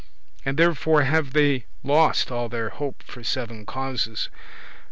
And therefore have they lost all their hope for seven causes.